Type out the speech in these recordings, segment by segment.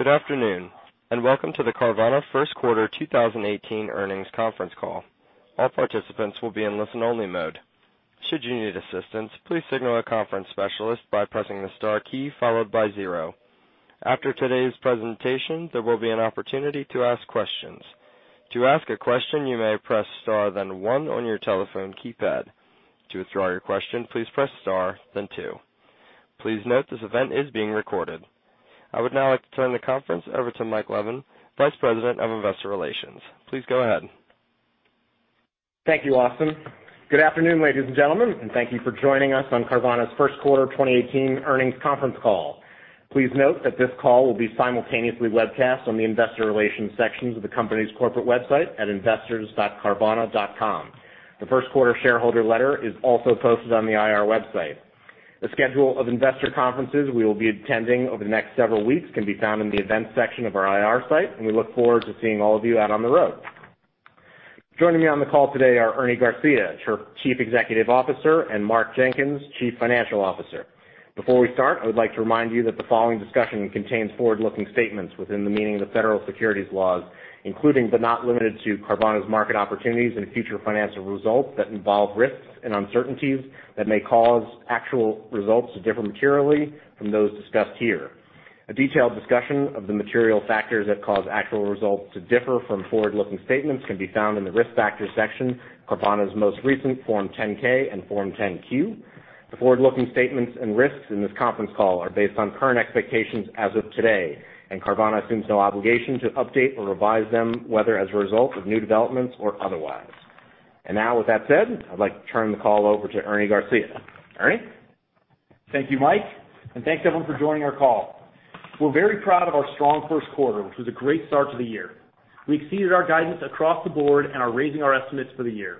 Good afternoon, and welcome to the Carvana first quarter 2018 earnings conference call. All participants will be in listen only mode. Should you need assistance, please signal a conference specialist by pressing the star key followed by zero. After today's presentation, there will be an opportunity to ask questions. To ask a question, you may press star then one on your telephone keypad. To withdraw your question, please press star then two. Please note this event is being recorded. I would now like to turn the conference over to Michael Levin, Vice President of Investor Relations. Please go ahead. Thank you, Austin. Good afternoon, ladies and gentlemen, and thank you for joining us on Carvana's first quarter 2018 earnings conference call. Please note that this call will be simultaneously webcast on the investor relations sections of the company's corporate website at investors.carvana.com. The first quarter shareholder letter is also posted on the IR website. The schedule of investor conferences we will be attending over the next several weeks can be found in the events section of our IR site, and we look forward to seeing all of you out on the road. Joining me on the call today are Ernie Garcia, Chief Executive Officer, and Mark Jenkins, Chief Financial Officer. Before we start, I would like to remind you that the following discussion contains forward-looking statements within the meaning of the federal securities laws, including but not limited to Carvana's market opportunities and future financial results that involve risks and uncertainties that may cause actual results to differ materially from those discussed here. A detailed discussion of the material factors that cause actual results to differ from forward-looking statements can be found in the Risk Factors section of Carvana's most recent Form 10-K and Form 10-Q. The forward-looking statements and risks in this conference call are based on current expectations as of today, and Carvana assumes no obligation to update or revise them, whether as a result of new developments or otherwise. Now with that said, I'd like to turn the call over to Ernie Garcia. Ernie? Thank you, Mike, and thanks, everyone, for joining our call. We're very proud of our strong first quarter, which was a great start to the year. We exceeded our guidance across the board and are raising our estimates for the year.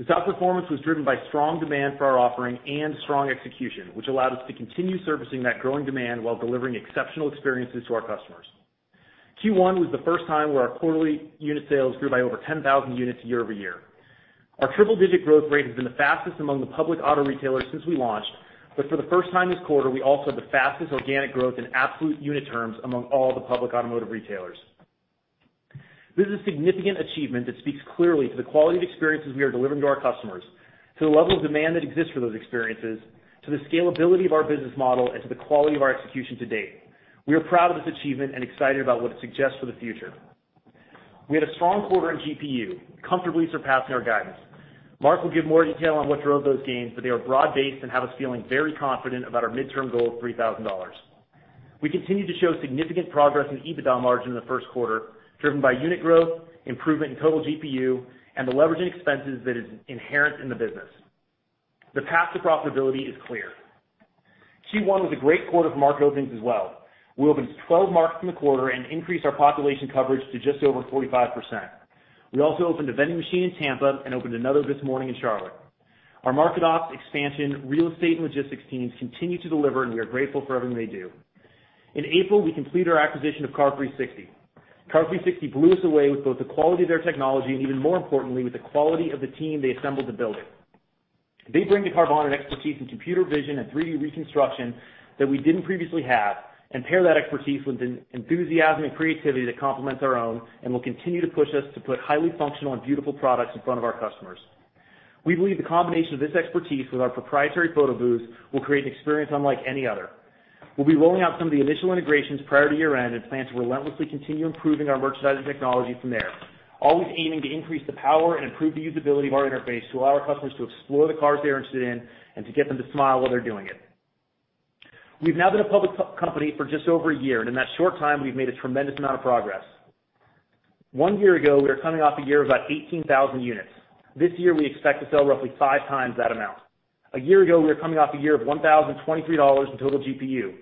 This outperformance was driven by strong demand for our offering and strong execution, which allowed us to continue servicing that growing demand while delivering exceptional experiences to our customers. Q1 was the first time where our quarterly unit sales grew by over 10,000 units year-over-year. Our triple-digit growth rate has been the fastest among the public auto retailers since we launched, for the first time this quarter, we also had the fastest organic growth in absolute unit terms among all the public automotive retailers. This is a significant achievement that speaks clearly to the quality of experiences we are delivering to our customers, to the level of demand that exists for those experiences, to the scalability of our business model, and to the quality of our execution to date. We are proud of this achievement and excited about what it suggests for the future. We had a strong quarter in GPU, comfortably surpassing our guidance. Mark will give more detail on what drove those gains, but they are broad-based and have us feeling very confident about our midterm goal of $3,000. We continue to show significant progress in EBITDA margin in the first quarter, driven by unit growth, improvement in total GPU, and the leveraging expenses that is inherent in the business. The path to profitability is clear. Q1 was a great quarter for market openings as well. We opened 12 markets in the quarter and increased our population coverage to just over 45%. We also opened a vending machine in Tampa and opened another this morning in Charlotte. Our market ops expansion, real estate, and logistics teams continue to deliver, and we are grateful for everything they do. In April, we completed our acquisition of Car360. Car360 blew us away with both the quality of their technology and, even more importantly, with the quality of the team they assembled to build it. They bring to Carvana an expertise in computer vision and 3D reconstruction that we didn't previously have and pair that expertise with an enthusiasm and creativity that complements our own and will continue to push us to put highly functional and beautiful products in front of our customers. We believe the combination of this expertise with our proprietary photo booth will create an experience unlike any other. We'll be rolling out some of the initial integrations prior to year-end and plan to relentlessly continue improving our merchandising technology from there, always aiming to increase the power and improve the usability of our interface to allow our customers to explore the cars they're interested in and to get them to smile while they're doing it. We've now been a public company for just over a year, and in that short time, we've made a tremendous amount of progress. One year ago, we were coming off a year of about 18,000 units. This year, we expect to sell roughly five times that amount. A year ago, we were coming off a year of $1,023 in total GPU.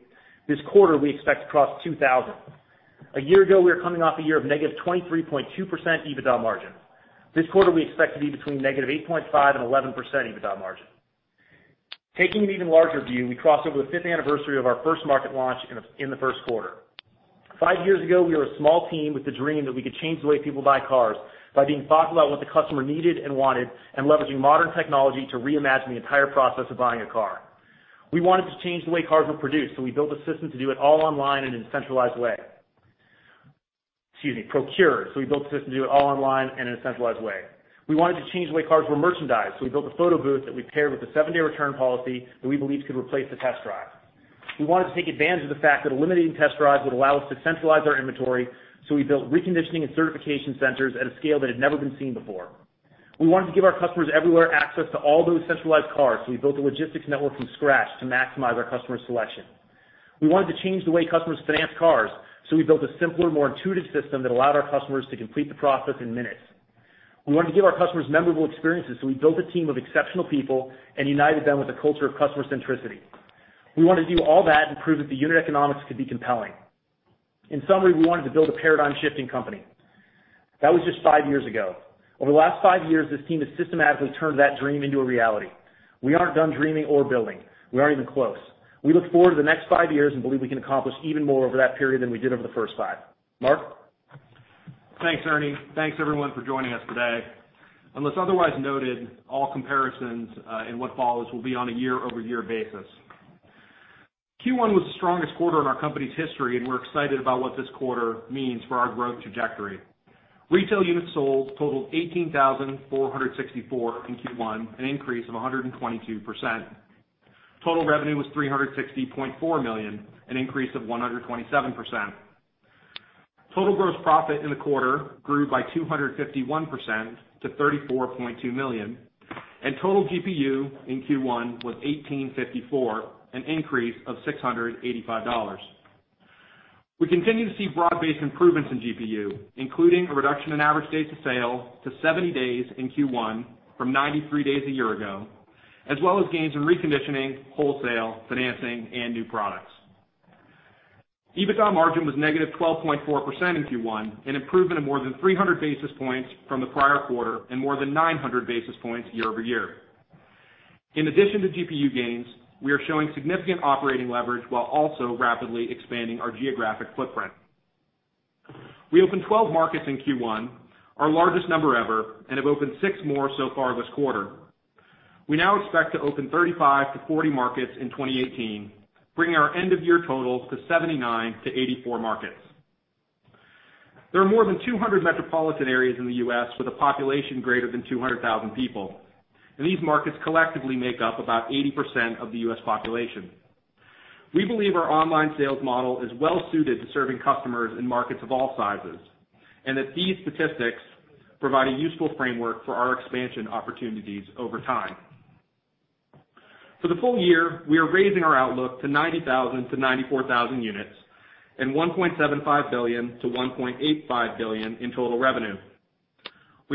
This quarter, we expect to cross 2,000. A year ago, we were coming off a year of negative 23.2% EBITDA margin. This quarter, we expect to be between negative 8.5% and 11% EBITDA margin. Taking an even larger view, we crossed over the fifth anniversary of our first market launch in the first quarter. Five years ago, we were a small team with the dream that we could change the way people buy cars by being thoughtful about what the customer needed and wanted and leveraging modern technology to reimagine the entire process of buying a car. We wanted to change the way cars were produced, so we built a system to do it all online and in a centralized way. Excuse me, procured, so we built a system to do it all online and in a centralized way. We wanted to change the way cars were merchandised, so we built a photo booth that we paired with a seven-day return policy that we believed could replace the test drive. We wanted to take advantage of the fact that eliminating test drives would allow us to centralize our inventory, so we built reconditioning and certification centers at a scale that had never been seen before. We wanted to give our customers everywhere access to all those centralized cars, so we built a logistics network from scratch to maximize our customers' selection. We wanted to change the way customers finance cars, so we built a simpler, more intuitive system that allowed our customers to complete the process in minutes. We wanted to give our customers memorable experiences, so we built a team of exceptional people and united them with a culture of customer centricity. We wanted to do all that and prove that the unit economics could be compelling. In summary, we wanted to build a paradigm-shifting company. That was just five years ago. Over the last five years, this team has systematically turned that dream into a reality. We aren't done dreaming or building. We aren't even close. We look forward to the next five years and believe we can accomplish even more over that period than we did over the first five. Mark? Thanks, Ernie. Thanks everyone for joining us today. Unless otherwise noted, all comparisons in what follows will be on a year-over-year basis. Q1 was the strongest quarter in our company's history, and we're excited about what this quarter means for our growth trajectory. Retail units sold totaled 18,464 in Q1, an increase of 122%. Total revenue was $360.4 million, an increase of 127%. Total gross profit in the quarter grew by 251% to $34.2 million, and total GPU in Q1 was $1,854, an increase of $685. We continue to see broad-based improvements in GPU, including a reduction in average days to sale to 70 days in Q1 from 93 days a year ago, as well as gains in reconditioning, wholesale, financing, and new products. EBITDA margin was negative 12.4% in Q1, an improvement of more than 300 basis points from the prior quarter and more than 900 basis points year-over-year. In addition to GPU gains, we are showing significant operating leverage while also rapidly expanding our geographic footprint. We opened 12 markets in Q1, our largest number ever, and have opened six more so far this quarter. We now expect to open 35 to 40 markets in 2018, bringing our end-of-year totals to 79 to 84 markets. There are more than 200 metropolitan areas in the U.S. with a population greater than 200,000 people, and these markets collectively make up about 80% of the U.S. population. We believe our online sales model is well suited to serving customers in markets of all sizes, and that these statistics provide a useful framework for our expansion opportunities over time. For the full year, we are raising our outlook to 90,000 to 94,000 units and $1.75 billion to $1.85 billion in total revenue.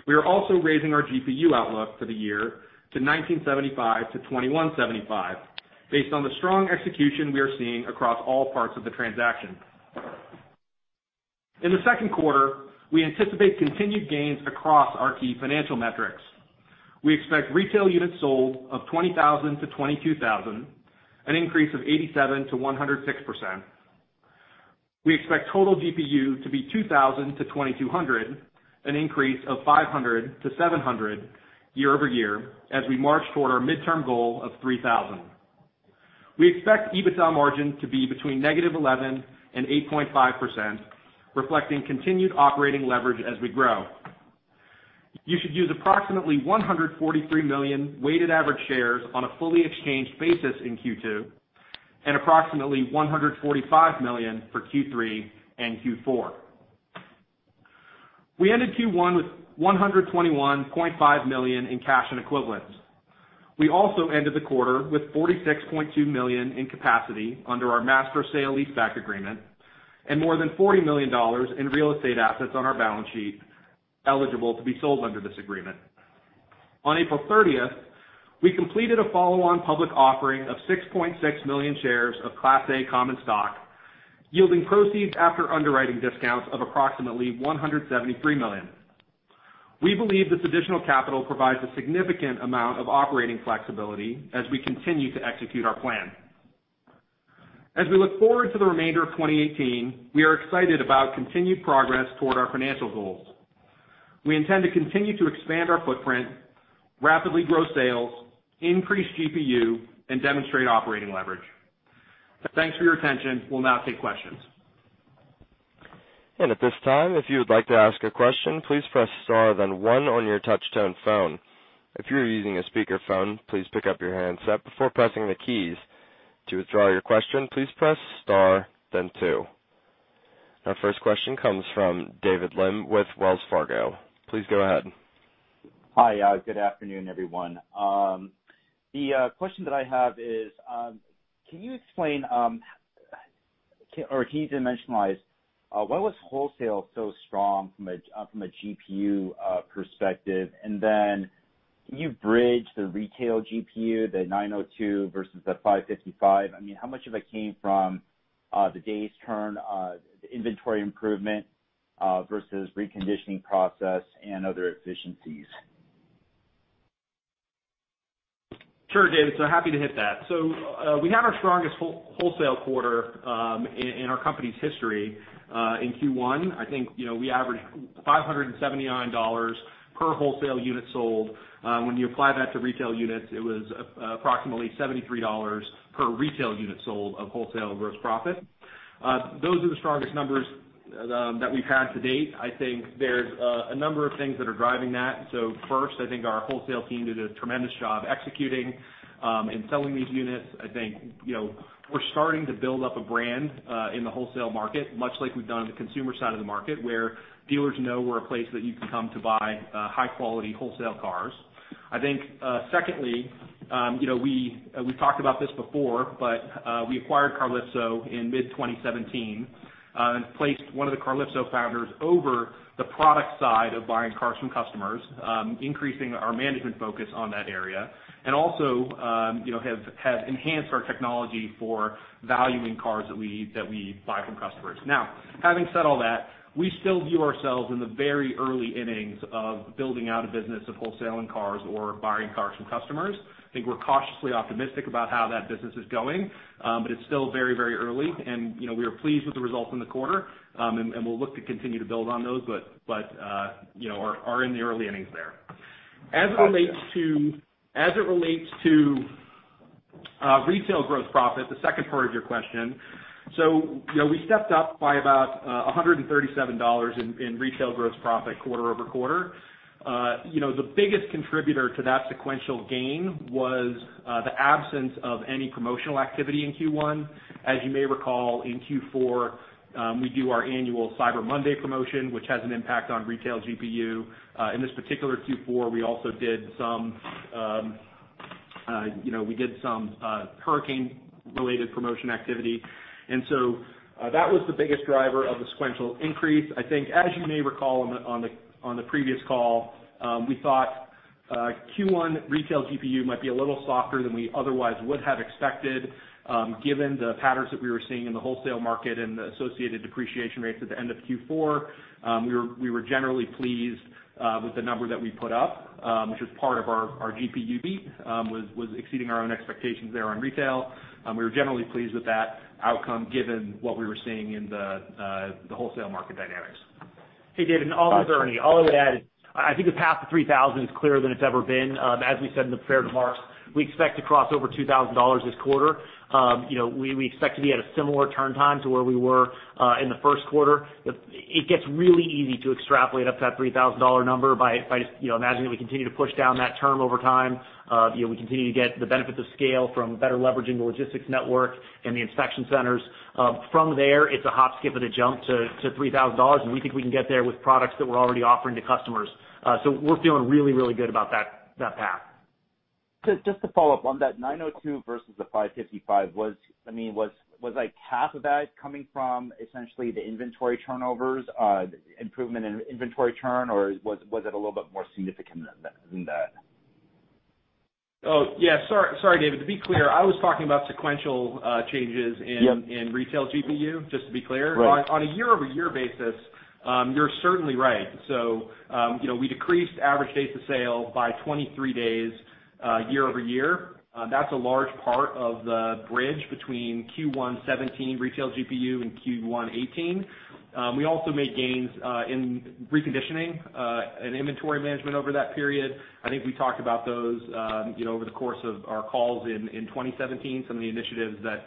We are also raising our GPU outlook for the year to $1,975-$2,175 based on the strong execution we are seeing across all parts of the transaction. In the second quarter, we anticipate continued gains across our key financial metrics. We expect retail units sold of 20,000 to 22,000, an increase of 87%-106%. We expect total GPU to be 2,000 to 2,200, an increase of 500 to 700 year-over-year as we march toward our midterm goal of 3,000. We expect EBITDA margin to be between -11% and -8.5%, reflecting continued operating leverage as we grow. You should use approximately 143 million weighted average shares on a fully exchanged basis in Q2 and approximately 145 million for Q3 and Q4. We ended Q1 with $121.5 million in cash and equivalents. We also ended the quarter with $46.2 million in capacity under our master sale leaseback agreement and more than $40 million in real estate assets on our balance sheet eligible to be sold under this agreement. On April 30th, we completed a follow-on public offering of 6.6 million shares of Class A common stock, yielding proceeds after underwriting discounts of approximately $173 million. We believe this additional capital provides a significant amount of operating flexibility as we continue to execute our plan. As we look forward to the remainder of 2018, we are excited about continued progress toward our financial goals. We intend to continue to expand our footprint, rapidly grow sales, increase GPU, and demonstrate operating leverage. Thanks for your attention. We'll now take questions. At this time, if you would like to ask a question, please press star then one on your touch-tone phone. If you are using a speakerphone, please pick up your handset before pressing the keys. To withdraw your question, please press star then two. Our first question comes from David Lim with Wells Fargo. Please go ahead. Hi. Good afternoon, everyone. The question that I have is, can you explain or can you dimensionalize why was wholesale so strong from a GPU perspective? Then can you bridge the retail GPU, the 902 versus the 555? How much of it came from the days turn inventory improvement versus reconditioning process and other efficiencies? Sure, David. Happy to hit that. We had our strongest wholesale quarter in our company's history in Q1. I think we averaged $579 per wholesale unit sold. When you apply that to retail units, it was approximately $73 per retail unit sold of wholesale gross profit. Those are the strongest numbers that we've had to date. I think there's a number of things that are driving that. First, I think our wholesale team did a tremendous job executing and selling these units. I think we're starting to build up a brand in the wholesale market, much like we've done on the consumer side of the market, where dealers know we're a place that you can come to buy high-quality wholesale cars. I think secondly, we talked about this before, but we acquired Carlypso in mid-2017 and placed one of the Carlypso founders over the product side of buying cars from customers, increasing our management focus on that area, and also have enhanced our technology for valuing cars that we buy from customers. Now, having said all that, we still view ourselves in the very early innings of building out a business of wholesaling cars or buying cars from customers. I think we're cautiously optimistic about how that business is going, but it's still very early and we are pleased with the results in the quarter, and we'll look to continue to build on those but are in the early innings there. As it relates to retail gross profit, the second part of your question, we stepped up by about $137 in retail gross profit quarter-over-quarter. The biggest contributor to that sequential gain was the absence of any promotional activity in Q1. As you may recall, in Q4, we do our annual Cyber Monday promotion, which has an impact on retail GPU. In this particular Q4, we also did some hurricane-related promotion activity. That was the biggest driver of the sequential increase. I think, as you may recall on the previous call, we thought Q1 retail GPU might be a little softer than we otherwise would have expected, given the patterns that we were seeing in the wholesale market and the associated depreciation rates at the end of Q4. We were generally pleased with the number that we put up, which was part of our GPU beat, was exceeding our own expectations there on retail. We were generally pleased with that outcome, given what we were seeing in the wholesale market dynamics. Hey, David. This is Ernie. All I would add is, I think the path to 3,000 is clearer than it's ever been. As we said in the shareholder letter, we expect to cross over $2,000 this quarter. We expect to be at a similar turn time to where we were in the first quarter. It gets really easy to extrapolate up to that $3,000 number by just imagining that we continue to push down that term over time. We continue to get the benefits of scale from better leveraging the logistics network and the Inspection Centers. From there, it's a hop, skip, and a jump to $3,000, and we think we can get there with products that we're already offering to customers. We're feeling really, really good about that path. Just to follow up on that 902 versus the 555. Was half of that coming from essentially the inventory turnovers, improvement in inventory turn, or was it a little bit more significant than that? Oh, yeah, sorry, David. To be clear, I was talking about sequential changes in retail GPU, just to be clear. Right. On a year-over-year basis, you're certainly right. We decreased average days to sale by 23 days year-over-year. That's a large part of the bridge between Q1 2017 retail GPU and Q1 2018. We also made gains in reconditioning and inventory management over that period. I think we talked about those over the course of our calls in 2017, some of the initiatives that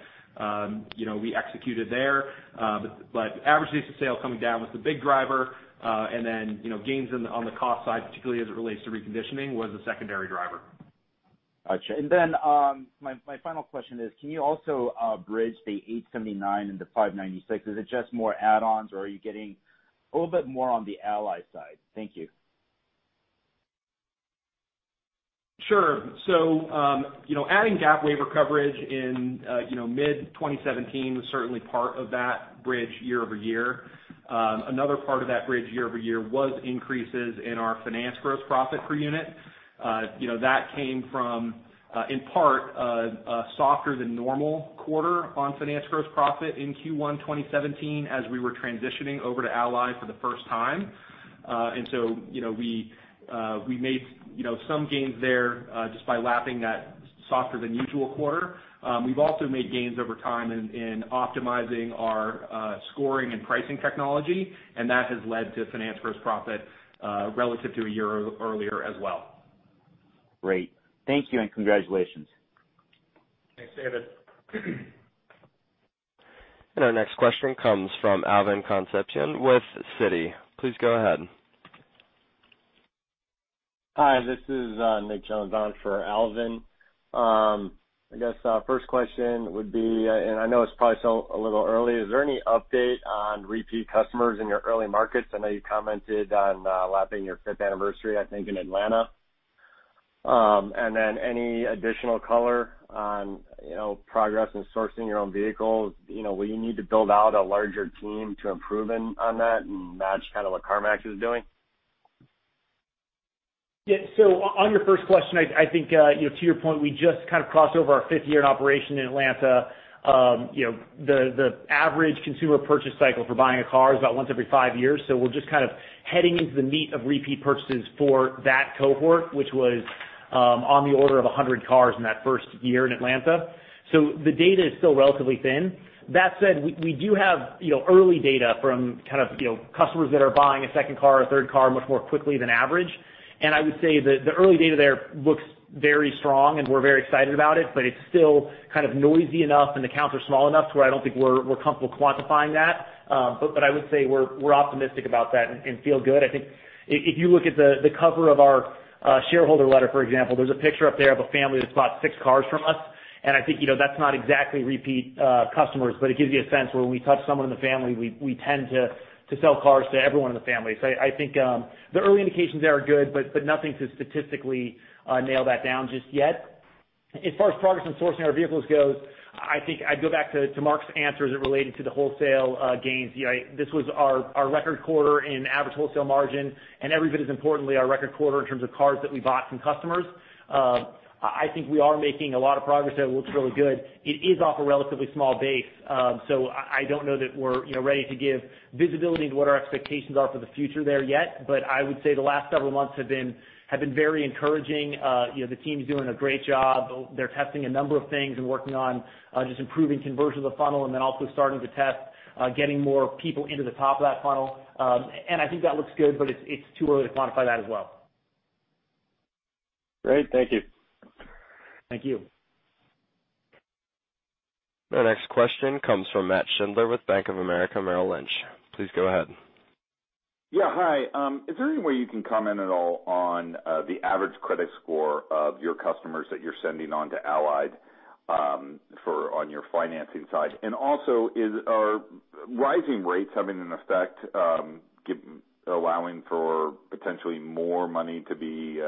we executed there. Average days to sale coming down was the big driver, and then gains on the cost side, particularly as it relates to reconditioning, was the secondary driver. Got you. My final question is, can you also bridge the $879 and the $596? Is it just more add-ons, or are you getting a little bit more on the Ally side? Thank you. Sure. Adding GAP waiver coverage in mid-2017 was certainly part of that bridge year-over-year. Another part of that bridge year-over-year was increases in our finance gross profit per unit. That came from, in part, a softer than normal quarter on finance gross profit in Q1 2017, as we were transitioning over to Ally for the first time. We made some gains there, just by lapping that softer than usual quarter. We've also made gains over time in optimizing our scoring and pricing technology, and that has led to finance gross profit relative to a year earlier as well. Great. Thank you, and congratulations. Thanks, David. Our next question comes from Alvin Concepcion with Citi. Please go ahead. Hi, this is Nicholas Jones on for Alvin. I guess first question would be, and I know it's probably still a little early, is there any update on repeat customers in your early markets? I know you commented on lapping your fifth anniversary, I think, in Atlanta. Any additional color on progress in sourcing your own vehicles? Will you need to build out a larger team to improve on that and match what CarMax is doing? Yeah. On your first question, I think to your point, we just crossed over our fifth year in operation in Atlanta. The average consumer purchase cycle for buying a car is about once every five years. We're just heading into the meat of repeat purchases for that cohort, which was on the order of 100 cars in that first year in Atlanta. The data is still relatively thin. That said, we do have early data from customers that are buying a second car or third car much more quickly than average. I would say that the early data there looks very strong, and we're very excited about it, but it's still noisy enough and the counts are small enough to where I don't think we're comfortable quantifying that. I would say we're optimistic about that and feel good. I think if you look at the cover of our shareholder letter, for example, there's a picture up there of a family that's bought six cars from us, and I think that's not exactly repeat customers, but it gives you a sense where when we touch someone in the family, we tend to sell cars to everyone in the family. I think the early indications there are good, but nothing to statistically nail that down just yet. As far as progress in sourcing our vehicles goes, I think I'd go back to Mark's answer as it related to the wholesale gains. This was our record quarter in average wholesale margin, and every bit as importantly, our record quarter in terms of cars that we bought from customers. I think we are making a lot of progress there that looks really good. It is off a relatively small base, I don't know that we're ready to give visibility into what our expectations are for the future there yet. I would say the last several months have been very encouraging. The team's doing a great job. They're testing a number of things and working on just improving conversion of the funnel. Also starting to test getting more people into the top of that funnel. I think that looks good, but it's too early to quantify that as well. Great. Thank you. Thank you. The next question comes from Nat Schindler with Bank of America Merrill Lynch. Please go ahead. Yeah, hi. Is there any way you can comment at all on the average credit score of your customers that you're sending on to Ally on your financing side? Also, are rising rates having an effect, allowing for potentially more money to be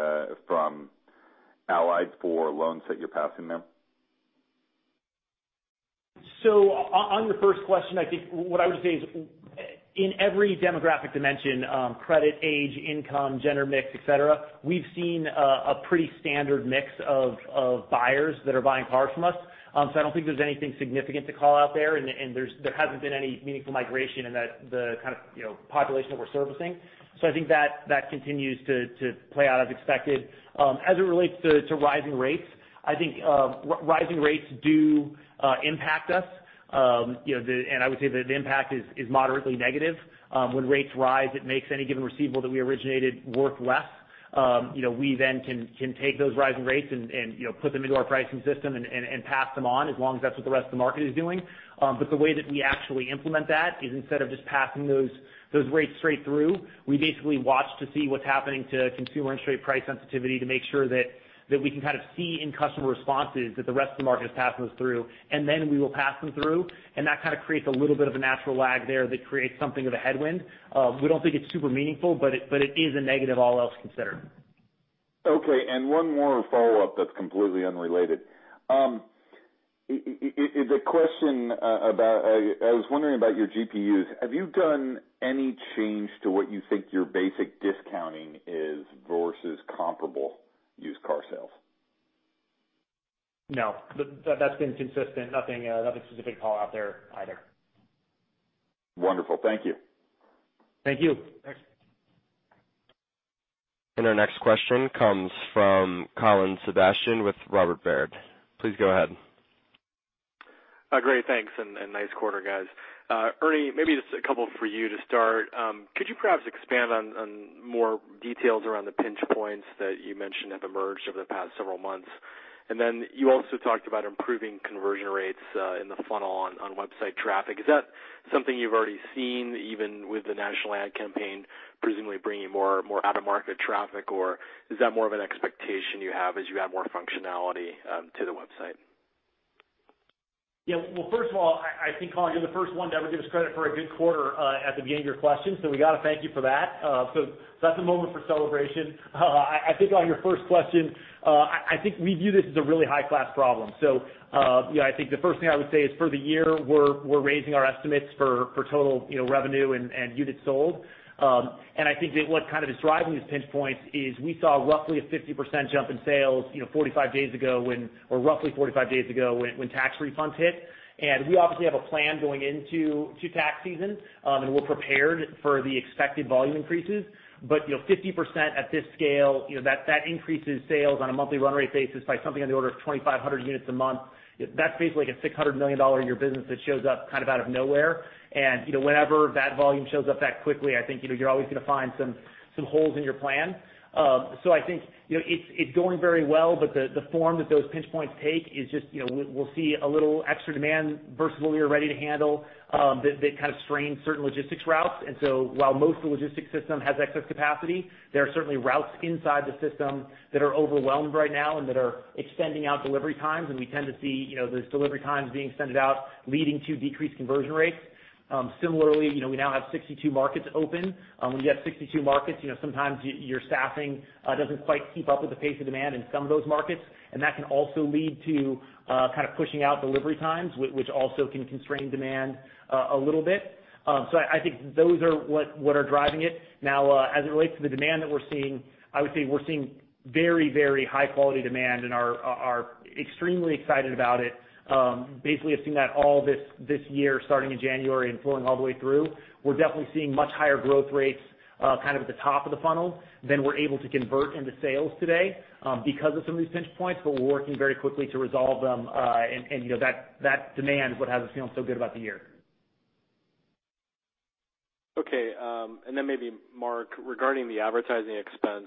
from Ally for loans that you're passing them? On the first question, I think what I would say is, in every demographic dimension, credit, age, income, gender mix, et cetera, we've seen a pretty standard mix of buyers that are buying cars from us. I don't think there's anything significant to call out there, and there hasn't been any meaningful migration in the kind of population that we're servicing. I think that continues to play out as expected. As it relates to rising rates, I think rising rates do impact us. I would say that the impact is moderately negative. When rates rise, it makes any given receivable that we originated worth less. We can take those rising rates and put them into our pricing system and pass them on as long as that's what the rest of the market is doing. The way that we actually implement that is instead of just passing those rates straight through, we basically watch to see what's happening to consumer and street price sensitivity to make sure that we can kind of see in customer responses that the rest of the market is passing those through, then we will pass them through. That kind of creates a little bit of a natural lag there that creates something of a headwind. We don't think it's super meaningful, but it is a negative all else considered. Okay, one more follow-up that's completely unrelated. I was wondering about your GPUs. Have you done any change to what you think your basic discounting is versus comparable used car sales? No. That's been consistent. Nothing specific to call out there either. Wonderful. Thank you. Thank you. Our next question comes from Colin Sebastian with Robert Baird. Please go ahead. Great, thanks, and nice quarter, guys. Ernie, maybe just a couple for you to start. Could you perhaps expand on more details around the pinch points that you mentioned have emerged over the past several months? You also talked about improving conversion rates in the funnel on website traffic. Is that something you've already seen, even with the national ad campaign presumably bringing more out-of-market traffic? Is that more of an expectation you have as you add more functionality to the website? Yeah. Well, first of all, I think, Colin, you're the first one to ever give us credit for a good quarter at the beginning of your question, so we got to thank you for that. That's a moment for celebration. I think on your first question, I think we view this as a really high-class problem. I think the first thing I would say is for the year, we're raising our estimates for total revenue and units sold. I think that what's kind of driving these pinch points is we saw roughly a 50% jump in sales roughly 45 days ago when tax refunds hit. We obviously have a plan going into tax season, and we're prepared for the expected volume increases. 50% at this scale, that increases sales on a monthly run rate basis by something on the order of 2,500 units a month. That's basically like a $600 million a year business that shows up out of nowhere. Whenever that volume shows up that quickly, I think you're always going to find some holes in your plan. I think it's going very well, but the form that those pinch points take is just we'll see a little extra demand versus what we are ready to handle that kind of strains certain logistics routes. While most of the logistics system has excess capacity, there are certainly routes inside the system that are overwhelmed right now and that are extending out delivery times, and we tend to see those delivery times being extended out, leading to decreased conversion rates. Similarly, we now have 62 markets open. When you have 62 markets, sometimes your staffing doesn't quite keep up with the pace of demand in some of those markets, and that can also lead to pushing out delivery times, which also can constrain demand a little bit. I think those are what are driving it. Now, as it relates to the demand that we're seeing, I would say we're seeing very high quality demand and are extremely excited about it. Basically, have seen that all this year, starting in January and flowing all the way through. We're definitely seeing much higher growth rates at the top of the funnel than we're able to convert into sales today because of some of these pinch points, but we're working very quickly to resolve them. That demand is what has us feeling so good about the year. Okay. Then maybe Mark, regarding the advertising expense,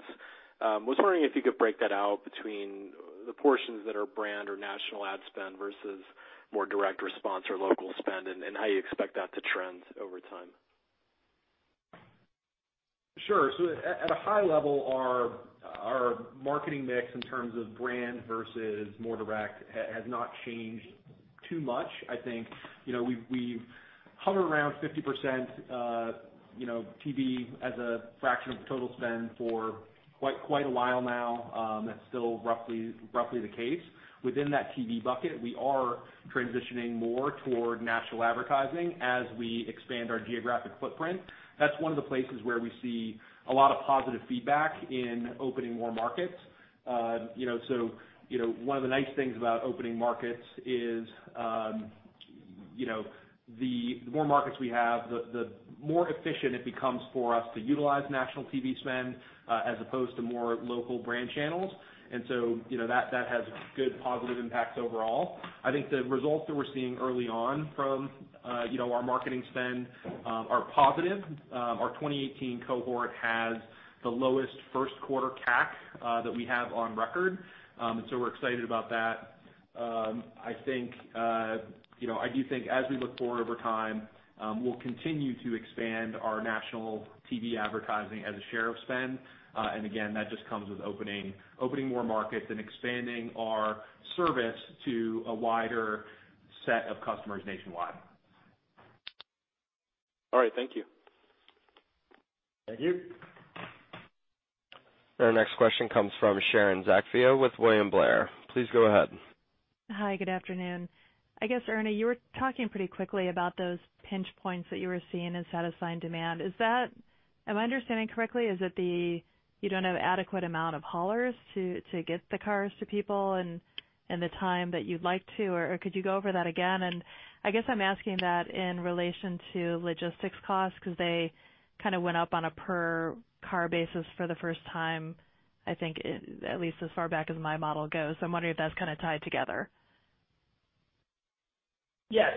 I was wondering if you could break that out between the portions that are brand or national ad spend versus more direct response or local spend, and how you expect that to trend over time. Sure. At a high level, our marketing mix in terms of brand versus more direct has not changed too much. I think we've hovered around 50% TV as a fraction of the total spend for quite a while now. That's still roughly the case. Within that TV bucket, we are transitioning more toward national advertising as we expand our geographic footprint. That's one of the places where we see a lot of positive feedback in opening more markets. One of the nice things about opening markets is the more markets we have, the more efficient it becomes for us to utilize national TV spend as opposed to more local brand channels. That has good positive impacts overall. I think the results that we're seeing early on from our marketing spend are positive. Our 2018 cohort has the lowest first quarter CAC that we have on record. We're excited about that. I do think as we look forward over time, we'll continue to expand our national TV advertising as a share of spend. Again, that just comes with opening more markets and expanding our service to a wider set of customers nationwide. All right, thank you. Thank you. Our next question comes from Sharon Zackfia with William Blair. Please go ahead. Hi, good afternoon. I guess, Ernie, you were talking pretty quickly about those pinch points that you were seeing in satisfying demand. Am I understanding correctly? Is it you don't have adequate amount of haulers to get the cars to people in the time that you'd like to? Or could you go over that again? I guess I'm asking that in relation to logistics costs because they kind of went up on a per car basis for the first time, I think, at least as far back as my model goes. I'm wondering if that's kind of tied together. Yeah.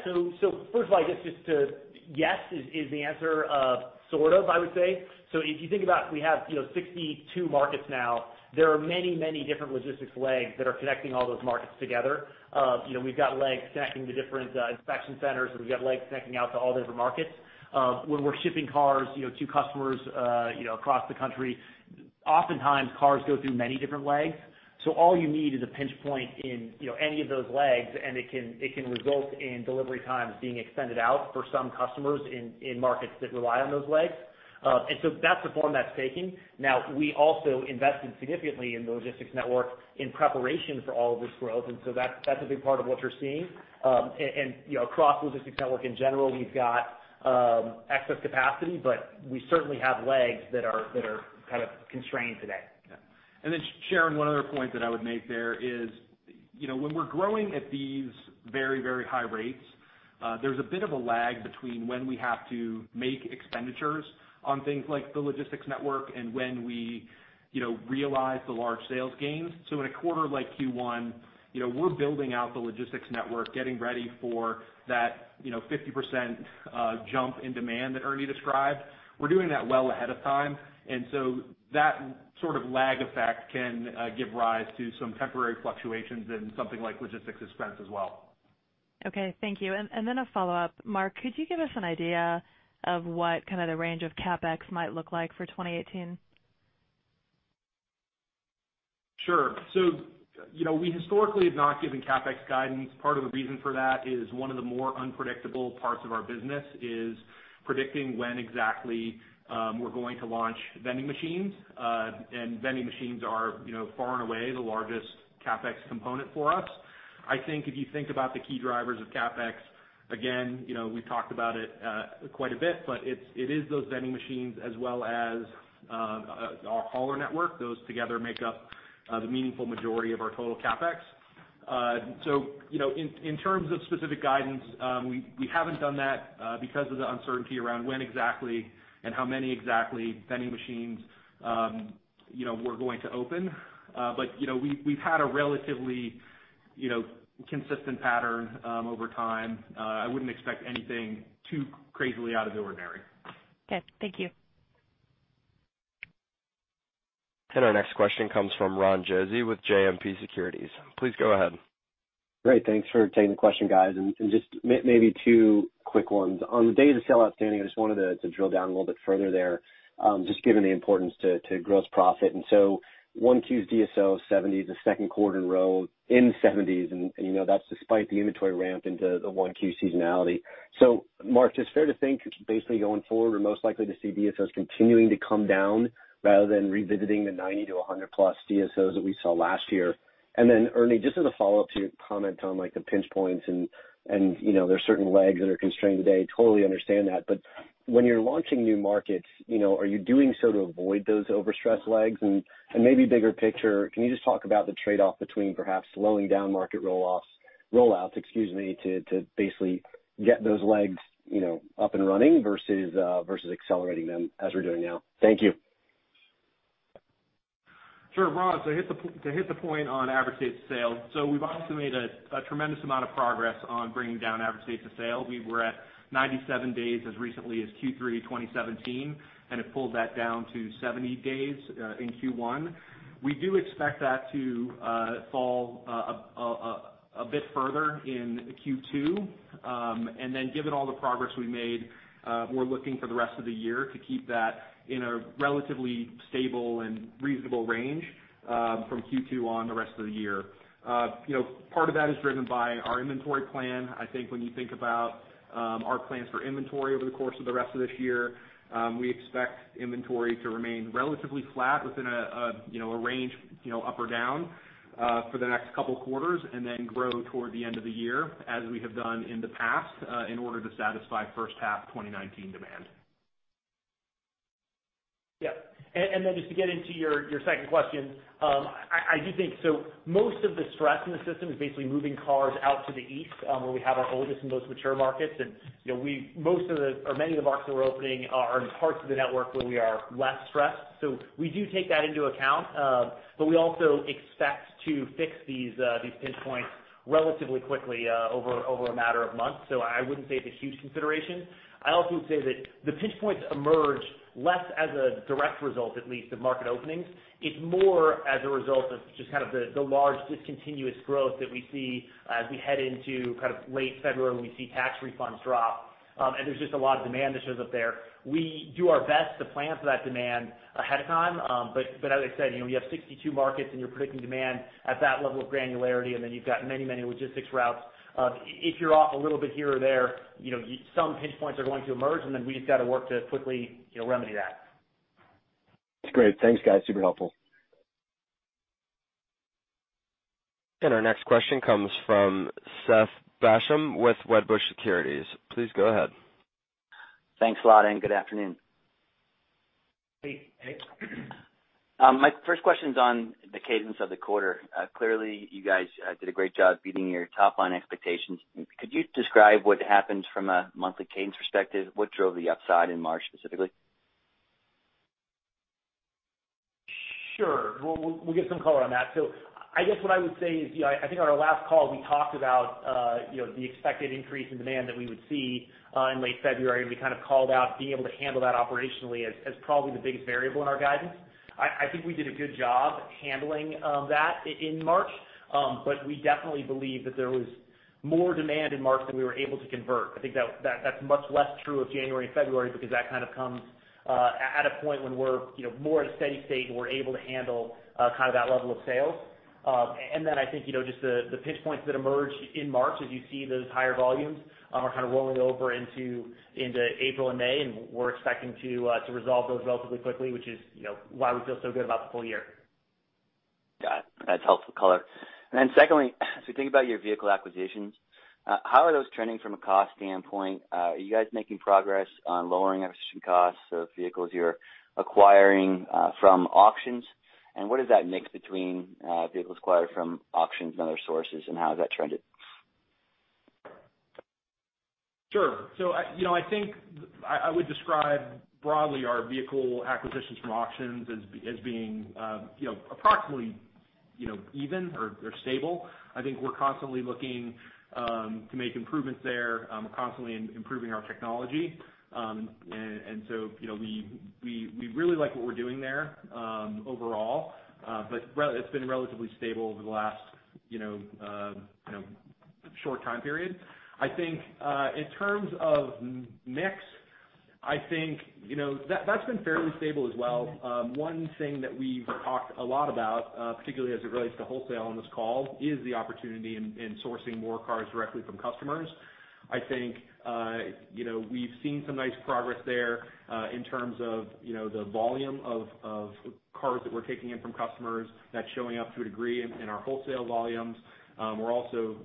First of all, I guess just to yes is the answer of sort of, I would say. If you think about we have 62 markets now, there are many different logistics legs that are connecting all those markets together. We've got legs connecting to different inspection centers, and we've got legs connecting out to all the different markets. When we're shipping cars to customers across the country, oftentimes cars go through many different legs. All you need is a pinch point in any of those legs, and it can result in delivery times being extended out for some customers in markets that rely on those legs. That's the form that's taking. Now, we also invested significantly in the logistics network in preparation for all of this growth, that's a big part of what you're seeing. Across logistics network in general, we've got excess capacity, but we certainly have legs that are kind of constrained today. Yeah. Sharon, one other point that I would make there is when we're growing at these very high rates, there's a bit of a lag between when we have to make expenditures on things like the logistics network and when we realize the large sales gains. In a quarter like Q1, we're building out the logistics network, getting ready for that 50% jump in demand that Ernie described. We're doing that well ahead of time, that sort of lag effect can give rise to some temporary fluctuations in something like logistics expense as well. Okay, thank you. A follow-up. Mark, could you give us an idea of what kind of the range of CapEx might look like for 2018? Sure. We historically have not given CapEx guidance. Part of the reason for that is one of the more unpredictable parts of our business is predicting when exactly we're going to launch vending machines. Vending machines are far and away the largest CapEx component for us. I think if you think about the key drivers of CapEx, again, we've talked about it quite a bit, it is those vending machines as well as our hauler network. Those together make up the meaningful majority of our total CapEx. In terms of specific guidance, we haven't done that because of the uncertainty around when exactly and how many exactly vending machines we're going to open. We've had a relatively consistent pattern over time. I wouldn't expect anything too crazily out of the ordinary. Okay. Thank you. Our next question comes from Ron Josey with JMP Securities. Please go ahead. Great. Thanks for taking the question, guys. Just maybe two quick ones. On the day to sale outstanding, I just wanted to drill down a little bit further there, just given the importance to gross profit. So 1Q's DSO, 70, the second quarter in a row in 70s, and that's despite the inventory ramp into the 1Q seasonality. So Mark, is it fair to think basically going forward, we're most likely to see DSOs continuing to come down rather than revisiting the 90-100-plus DSOs that we saw last year? Ernie, just as a follow-up to your comment on the pinch points and there's certain legs that are constrained today, totally understand that, when you're launching new markets, are you doing so to avoid those overstressed legs? Can you just talk about the trade-off between perhaps slowing down market rollouts, excuse me, to basically get those legs up and running versus accelerating them as we're doing now? Thank you. Sure, Ron, to hit the point on average days to sale. We've obviously made a tremendous amount of progress on bringing down average days to sale. We were at 97 days as recently as Q3 2017, and have pulled that down to 70 days in Q1. We do expect that to fall a bit further in Q2. Given all the progress we made, we're looking for the rest of the year to keep that in a relatively stable and reasonable range from Q2 on the rest of the year. Part of that is driven by our inventory plan. I think when you think about our plans for inventory over the course of the rest of this year, we expect inventory to remain relatively flat within a range up or down for the next couple quarters, and then grow toward the end of the year as we have done in the past in order to satisfy first half 2019 demand. Yeah. Just to get into your second question. I do think so most of the stress in the system is basically moving cars out to the east, where we have our oldest and most mature markets. Many of the markets that we're opening are in parts of the network where we are less stressed. We do take that into account. We also expect to fix these pinch points relatively quickly over a matter of months. I wouldn't say it's a huge consideration. I also would say that the pinch points emerge less as a direct result, at least, of market openings. It's more as a result of just kind of the large discontinuous growth that we see as we head into kind of late February when we see tax refunds drop. There's just a lot of demand that shows up there. We do our best to plan for that demand ahead of time. As I said, you have 62 markets, and you're predicting demand at that level of granularity, and then you've got many logistics routes. If you're off a little bit here or there, some pinch points are going to emerge, and then we just got to work to quickly remedy that. That's great. Thanks, guys. Super helpful. Our next question comes from Seth Basham with Wedbush Securities. Please go ahead. Thanks a lot, and good afternoon. Hey, Seth. My first question's on the cadence of the quarter. Clearly, you guys did a great job beating your top-line expectations. Could you describe what happened from a monthly cadence perspective? What drove the upside in March, specifically? Sure. Well, we'll give some color on that. I guess what I would say is, I think on our last call, we talked about the expected increase in demand that we would see in late February, and we kind of called out being able to handle that operationally as probably the biggest variable in our guidance. I think we did a good job handling that in March. We definitely believe that there was more demand in March than we were able to convert. I think that's much less true of January and February, because that kind of comes at a point when we're more at a steady state, and we're able to handle that level of sales. I think, just the pinch points that emerge in March as you see those higher volumes are kind of rolling over into April and May, and we're expecting to resolve those relatively quickly, which is why we feel so good about the full year. Got it. That's helpful color. Secondly, as we think about your vehicle acquisitions, how are those trending from a cost standpoint? Are you guys making progress on lowering acquisition costs of vehicles you're acquiring from auctions? What is that mix between vehicles acquired from auctions and other sources, and how has that trended? Sure. I think I would describe broadly our vehicle acquisitions from auctions as being approximately even or stable. I think we're constantly looking to make improvements there. We're constantly improving our technology. We really like what we're doing there overall. It's been relatively stable over the last short time period. I think in terms of mix, that's been fairly stable as well. One thing that we've talked a lot about, particularly as it relates to wholesale on this call, is the opportunity in sourcing more cars directly from customers. I think we've seen some nice progress there in terms of the volume of cars that we're taking in from customers. That's showing up to a degree in our wholesale volumes. We're also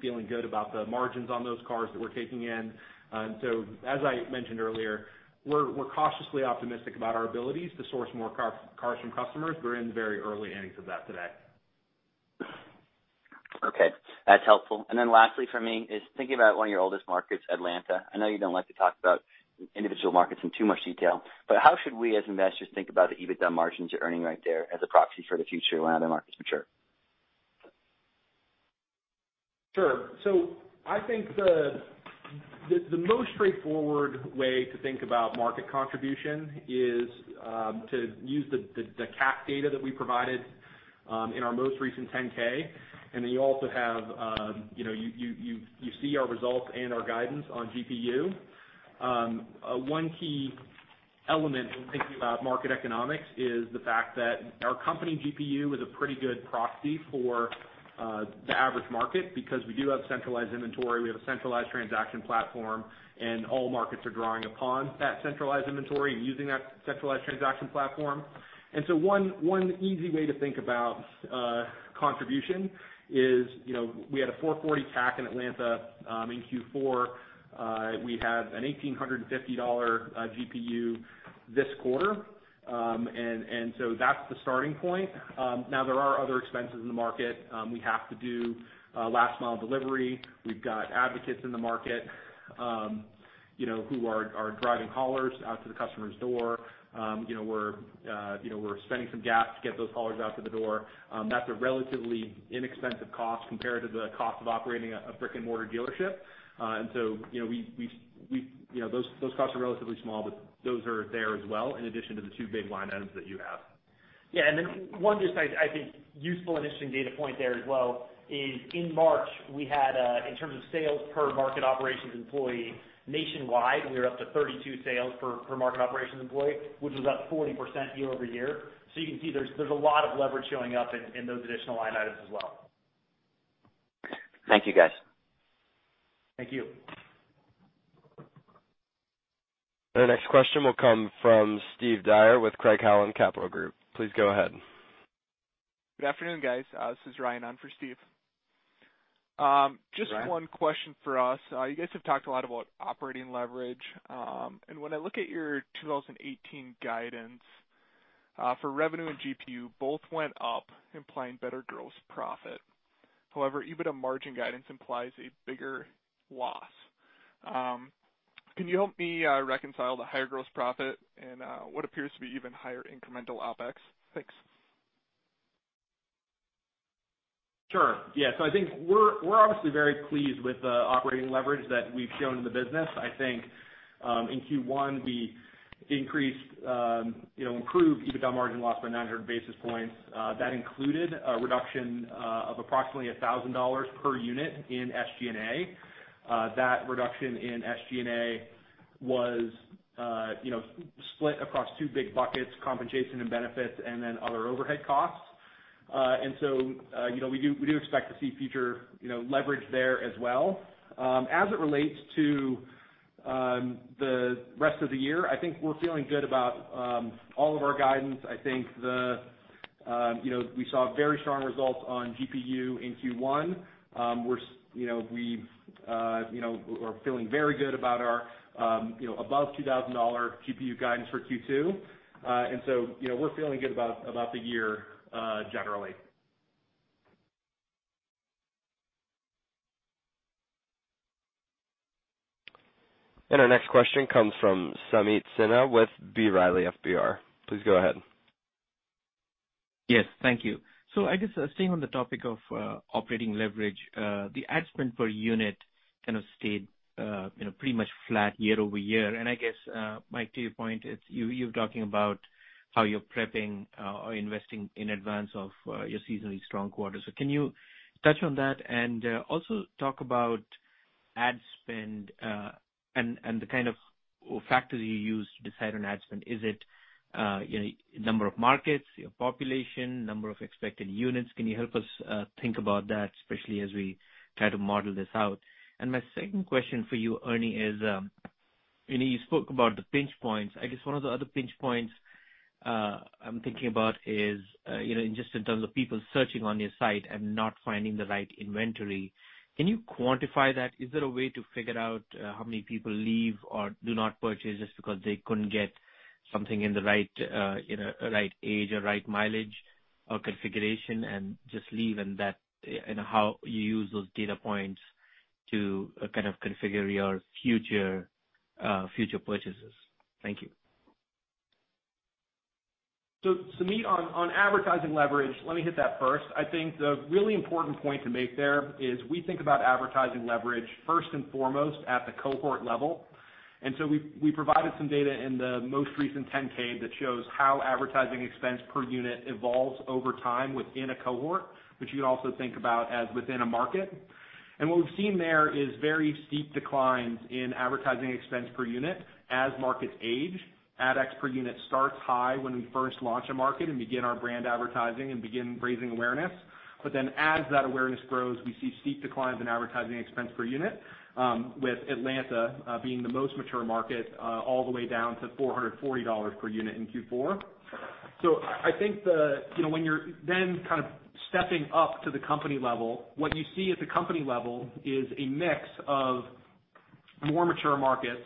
feeling good about the margins on those cars that we're taking in. As I mentioned earlier, we're cautiously optimistic about our abilities to source more cars from customers. We're in the very early innings of that today. Okay, that's helpful. Lastly from me is thinking about one of your oldest markets, Atlanta. I know you don't like to talk about individual markets in too much detail, but how should we as investors think about the EBITDA margins you're earning right there as a proxy for the future when other markets mature? I think the most straightforward way to think about market contribution is to use the cap data that we provided in our most recent 10-K, then you see our results and our guidance on GPU. One key element when thinking about market economics is the fact that our company GPU is a pretty good proxy for the average market because we do have centralized inventory, we have a centralized transaction platform, and all markets are drawing upon that centralized inventory and using that centralized transaction platform. One easy way to think about contribution is, we had a $440 CAC in Atlanta in Q4. We have an $1,850 GPU this quarter. That's the starting point. Now, there are other expenses in the market. We have to do last mile delivery. We've got advocates in the market who are driving haulers out to the customer's door. We're spending some gas to get those haulers out to the door. That's a relatively inexpensive cost compared to the cost of operating a brick-and-mortar dealership. Those costs are relatively small, but those are there as well, in addition to the two big line items that you have. One just I think useful and interesting data point there as well is in March, we had in terms of sales per market operations employee nationwide, we were up to 32 sales per market operations employee, which was up 40% year-over-year. You can see there's a lot of leverage showing up in those additional line items as well. Thank you, guys. Thank you. Our next question will come from Steve Dyer with Craig-Hallum Capital Group. Please go ahead. Good afternoon, guys. This is Ryan on for Steve. Ryan. Just one question for us. You guys have talked a lot about operating leverage. When I look at your 2018 guidance for revenue and GPU, both went up, implying better gross profit. However, EBITDA margin guidance implies a bigger loss. Can you help me reconcile the higher gross profit and what appears to be even higher incremental OpEx? Thanks. Sure, yeah. I think we're obviously very pleased with the operating leverage that we've shown in the business. I think in Q1, we improved EBITDA margin loss by 900 basis points. That included a reduction of approximately $1,000 per unit in SG&A. That reduction in SG&A was split across two big buckets, compensation and benefits, and then other overhead costs. We do expect to see future leverage there as well. As it relates to the rest of the year, I think we're feeling good about all of our guidance. I think we saw very strong results on GPU in Q1. We're feeling very good about our above $2,000 GPU guidance for Q2. We're feeling good about the year generally. Our next question comes from Sameet Sinha with B. Riley FBR. Please go ahead. Yes. Thank you. I guess staying on the topic of operating leverage, the ad spend per unit kind of stayed pretty much flat year-over-year. I guess, Mike, to your point, you're talking about how you're prepping or investing in advance of your seasonally strong quarters. Can you touch on that and also talk about ad spend, and the kind of factor you use to decide on ad spend? Is it number of markets, your population, number of expected units? Can you help us think about that, especially as we try to model this out? My second question for you, Ernie, is you spoke about the pinch points. I guess one of the other pinch points I'm thinking about is just in terms of people searching on your site and not finding the right inventory. Can you quantify that? Is there a way to figure out how many people leave or do not purchase just because they couldn't get something in the right age or right mileage or configuration, and just leave, and how you use those data points to kind of configure your future purchases. Thank you. Sameet, on advertising leverage, let me hit that first. I think the really important point to make there is we think about advertising leverage first and foremost at the cohort level. We provided some data in the most recent 10-K that shows how advertising expense per unit evolves over time within a cohort, which you could also think about as within a market. What we've seen there is very steep declines in advertising expense per unit as markets age. AdEx per unit starts high when we first launch a market and begin our brand advertising and begin raising awareness. As that awareness grows, we see steep declines in advertising expense per unit, with Atlanta being the most mature market all the way down to $440 per unit in Q4. I think when you're then kind of stepping up to the company level, what you see at the company level is a mix of more mature markets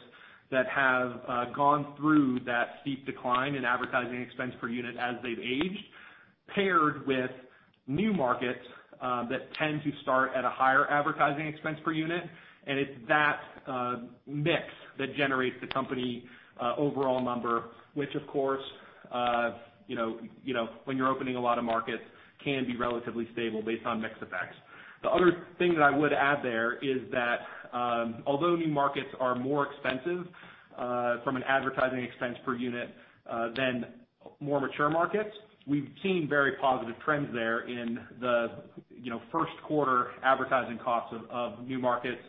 that have gone through that steep decline in advertising expense per unit as they've aged, paired with new markets that tend to start at a higher advertising expense per unit. It's that mix that generates the company overall number, which of course when you're opening a lot of markets, can be relatively stable based on mix effects. The other thing that I would add there is that although new markets are more expensive from an advertising expense per unit than more mature markets, we've seen very positive trends there in the first quarter advertising costs of new markets.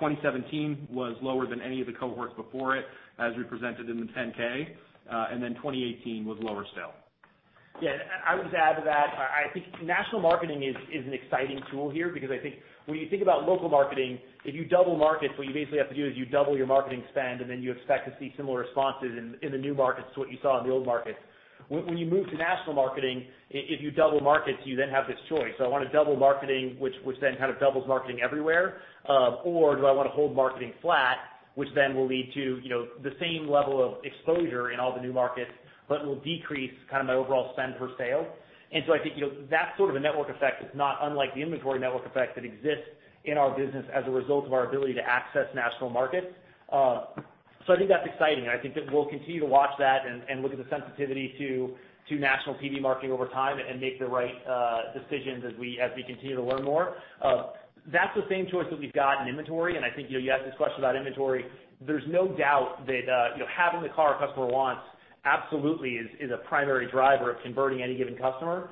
2017 was lower than any of the cohorts before it, as we presented in the 10-K, 2018 was lower still. Yeah, I would just add to that, I think national marketing is an exciting tool here because I think when you think about local marketing, if you double markets, what you basically have to do is you double your marketing spend, and then you expect to see similar responses in the new markets to what you saw in the old markets. When you move to national marketing, if you double markets, you then have this choice. I want to double marketing, which then kind of doubles marketing everywhere. Or do I want to hold marketing flat, which then will lead to the same level of exposure in all the new markets, but will decrease my overall spend per sale. I think that sort of a network effect is not unlike the inventory network effect that exists in our business as a result of our ability to access national markets. I think that's exciting, and I think that we'll continue to watch that and look at the sensitivity to national TV marketing over time and make the right decisions as we continue to learn more. That's the same choice that we've got in inventory, and I think you asked this question about inventory. There's no doubt that having the car a customer wants absolutely is a primary driver of converting any given customer.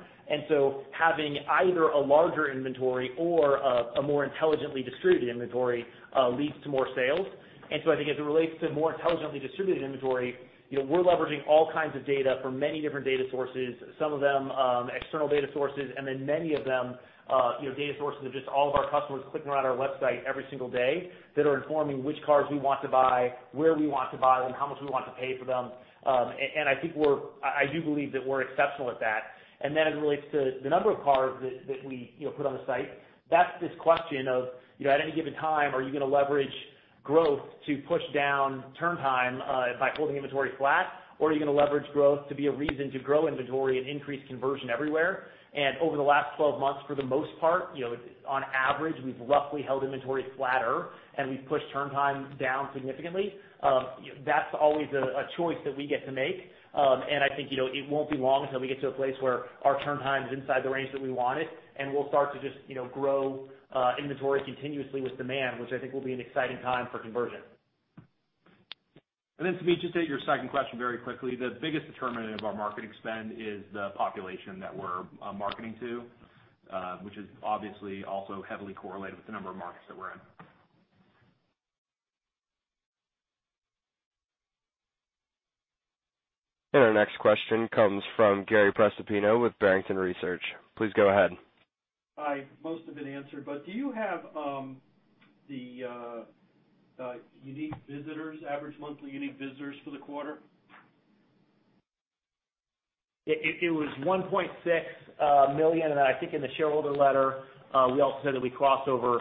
Having either a larger inventory or a more intelligently distributed inventory leads to more sales. I think as it relates to more intelligently distributed inventory, we're leveraging all kinds of data from many different data sources, some of them external data sources. Many of them data sources of just all of our customers clicking around our website every single day that are informing which cars we want to buy, where we want to buy them, how much we want to pay for them. I do believe that we're exceptional at that. As it relates to the number of cars that we put on the site, that's this question of, at any given time, are you going to leverage growth to push down turn time by holding inventory flat, or are you going to leverage growth to be a reason to grow inventory and increase conversion everywhere? Over the last 12 months, for the most part, on average, we've roughly held inventory flatter and we've pushed turn time down significantly. That's always a choice that we get to make. I think it won't be long until we get to a place where our turn time is inside the range that we want it, and we'll start to just grow inventory continuously with demand, which I think will be an exciting time for conversion. Sameet, just to hit your second question very quickly, the biggest determinant of our marketing spend is the population that we're marketing to, which is obviously also heavily correlated with the number of markets that we're in. Our next question comes from Gary Prestopino with Barrington Research. Please go ahead. Hi. Most have been answered, but do you have the average monthly unique visitors for the quarter? It was 1.6 million, I think in the shareholder letter, we also said that we crossed over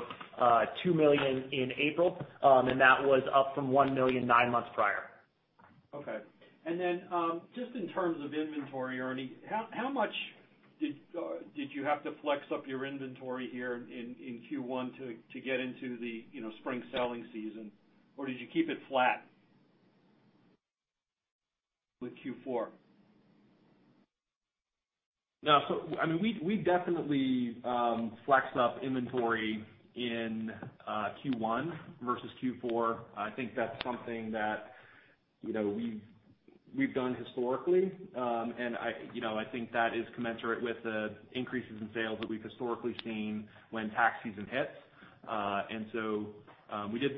2 million in April. That was up from 1 million nine months prior. Okay. Then, just in terms of inventory, Ernie, how much did you have to flex up your inventory here in Q1 to get into the spring selling season? Did you keep it flat with Q4? No. We definitely flexed up inventory in Q1 versus Q4. I think that's something that we've done historically. I think that is commensurate with the increases in sales that we've historically seen when tax season hits.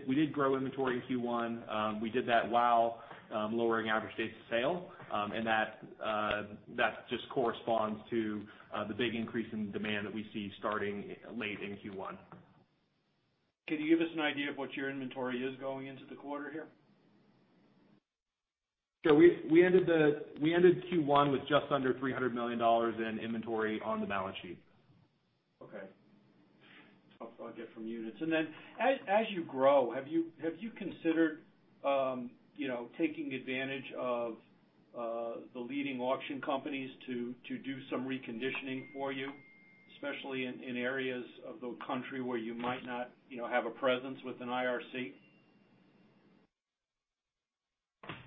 We did grow inventory in Q1. We did that while lowering average days of sale, that just corresponds to the big increase in demand that we see starting late in Q1. Can you give us an idea of what your inventory is going into the quarter here? Sure. We ended Q1 with just under $300 million in inventory on the balance sheet. Okay. I'll get from units. As you grow, have you considered taking advantage of the leading auction companies to do some reconditioning for you? Especially in areas of the country where you might not have a presence with an IRC?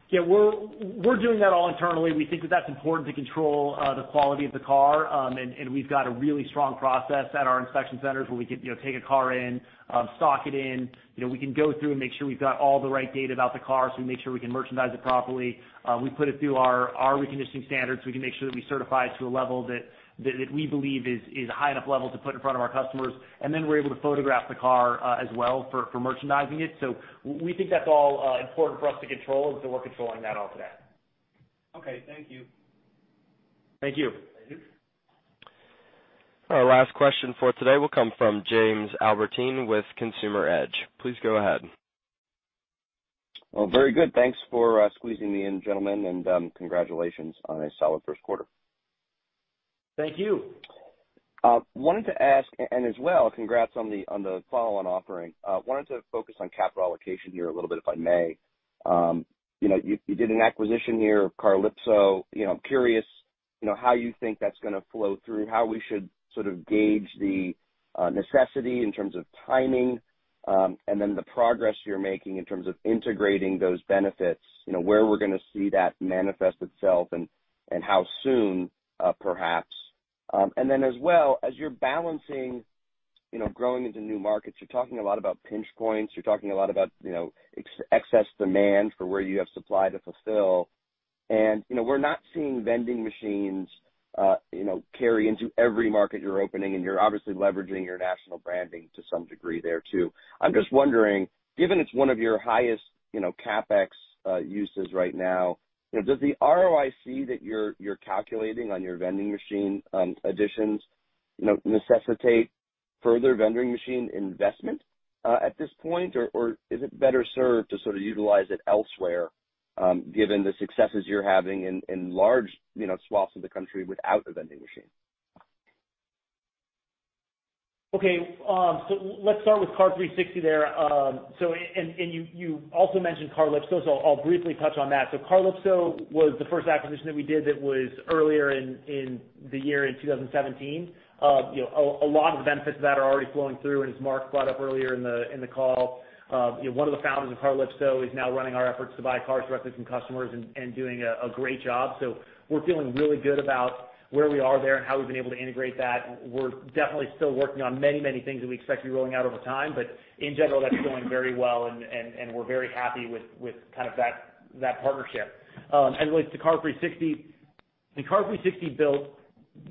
Yeah. We're doing that all internally. We think that that's important to control the quality of the car. We've got a really strong process at our inspection centers where we can take a car in, stock it in. We can go through and make sure we've got all the right data about the car so we make sure we can merchandise it properly. We put it through our reconditioning standards so we can make sure that we certify it to a level that we believe is a high enough level to put in front of our customers. We're able to photograph the car, as well, for merchandising it. We think that's all important for us to control, and so we're controlling that all today. Okay. Thank you. Thank you. Thank you. Our last question for today will come from James Albertine with Consumer Edge. Please go ahead. Well, very good. Thanks for squeezing me in, gentlemen, and congratulations on a solid first quarter. Thank you. Wanted to ask, and as well, congrats on the follow-on offering. Wanted to focus on capital allocation here a little bit, if I may. You did an acquisition here of Carlypso. Curious how you think that's going to flow through, how we should sort of gauge the necessity in terms of timing, and then the progress you're making in terms of integrating those benefits, where we're going to see that manifest itself and how soon, perhaps. As well, as you're balancing growing into new markets, you're talking a lot about pinch points. You're talking a lot about excess demand for where you have supply to fulfill. We're not seeing vending machines carry into every market you're opening, and you're obviously leveraging your national branding to some degree there, too. I'm just wondering, given it's one of your highest CapEx uses right now, does the ROIC that you're calculating on your vending machine additions necessitate further vending machine investment at this point? Or is it better served to sort of utilize it elsewhere, given the successes you're having in large swaths of the country without a vending machine? Okay, let's start with Car360 there. You also mentioned Carlypso, so I'll briefly touch on that. Carlypso was the first acquisition that we did that was earlier in the year in 2017. A lot of the benefits of that are already flowing through. As Mark brought up earlier in the call, one of the founders of Carlypso is now running our efforts to buy cars directly from customers and doing a great job. We're feeling really good about where we are there and how we've been able to integrate that. We're definitely still working on many things that we expect to be rolling out over time, but in general, that's going very well, and we're very happy with kind of that partnership. As it relates to Car360 built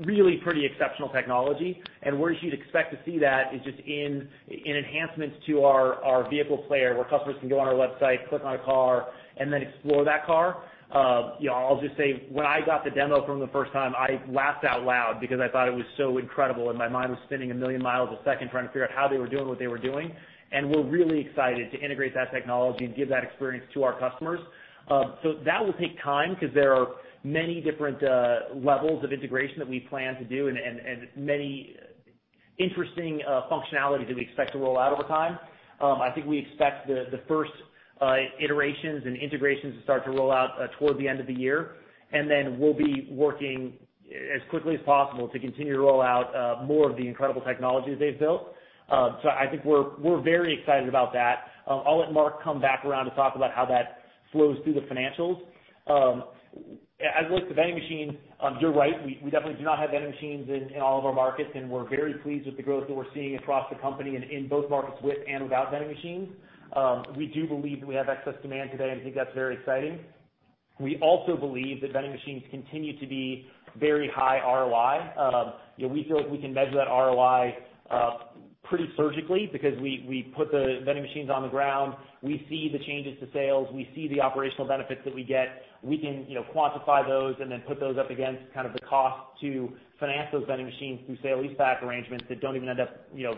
really pretty exceptional technology. Where you'd expect to see that is just in enhancements to our vehicle player, where customers can go on our website, click on a car, and then explore that car. I'll just say, when I got the demo from them the first time, I laughed out loud because I thought it was so incredible, and my mind was spinning a million miles a second trying to figure out how they were doing what they were doing. We're really excited to integrate that technology and give that experience to our customers. That will take time because there are many different levels of integration that we plan to do and many interesting functionalities that we expect to roll out over time. I think we expect the first iterations and integrations to start to roll out toward the end of the year. We'll be working as quickly as possible to continue to roll out more of the incredible technologies they've built. I think we're very excited about that. I'll let Mark come back around to talk about how that flows through the financials. As it relates to vending machines, you're right, we definitely do not have vending machines in all of our markets. We're very pleased with the growth that we're seeing across the company and in both markets with and without vending machines. We do believe that we have excess demand today, and I think that's very exciting. We also believe that vending machines continue to be very high ROI. We feel like we can measure that ROI pretty surgically, because we put the vending machines on the ground, we see the changes to sales, we see the operational benefits that we get. We can quantify those. Put those up against kind of the cost to finance those vending machines through sale leaseback arrangements that don't even end up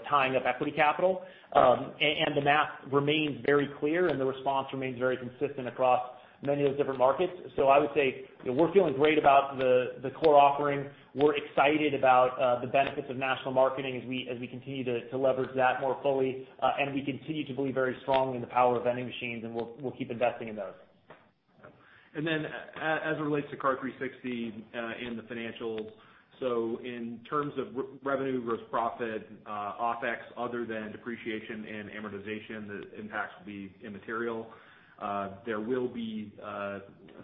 tying up equity capital. The math remains very clear and the response remains very consistent across many of those different markets. I would say, we're feeling great about the core offering. We're excited about the benefits of national marketing as we continue to leverage that more fully. We continue to believe very strongly in the power of vending machines, and we'll keep investing in those. As it relates to Car360 and the financials, in terms of revenue versus profit, OpEx, other than depreciation and amortization, the impacts will be immaterial. There will be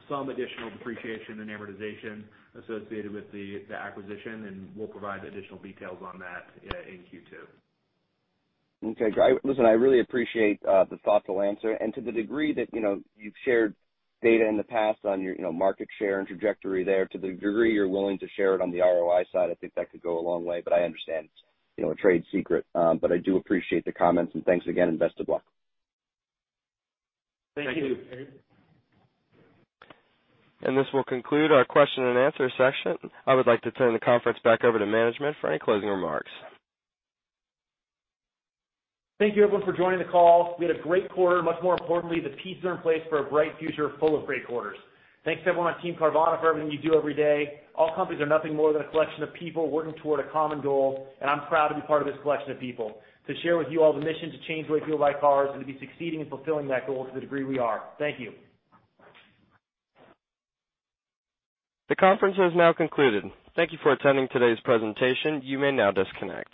some additional depreciation and amortization associated with the acquisition, and we'll provide additional details on that in Q2. Okay, great. Listen, I really appreciate the thoughtful answer. To the degree that you've shared data in the past on your market share and trajectory there, to the degree you're willing to share it on the ROI side, I think that could go a long way, but I understand it's a trade secret. I do appreciate the comments, and thanks again, and best of luck. Thank you. Thank you. This will conclude our question and answer session. I would like to turn the conference back over to management for any closing remarks. Thank you everyone for joining the call. We had a great quarter. Much more importantly, the pieces are in place for a bright future full of great quarters. Thanks everyone on Team Carvana for everything you do every day. All companies are nothing more than a collection of people working toward a common goal, and I'm proud to be part of this collection of people, to share with you all the mission to change the way people buy cars and to be succeeding in fulfilling that goal to the degree we are. Thank you. The conference has now concluded. Thank you for attending today's presentation. You may now disconnect.